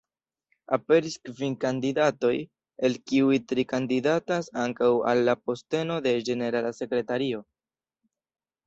Aperis kvin kandidatoj, el kiuj tri kandidatas ankaŭ al la posteno de ĝenerala sekretario.